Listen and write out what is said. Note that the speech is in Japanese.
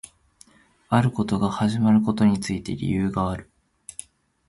あることが始まることについて理由がある